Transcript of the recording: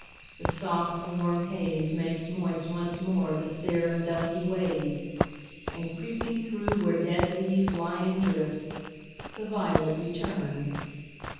The soft, warm haze Makes moist once more the sere and dusty ways, And, creeping through where dead leaves lie in drifts, The violet returns.